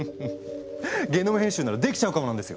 ゲノム編集ならできちゃうかもなんですよ。